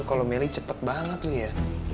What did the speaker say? lo kalau melly cepet banget ya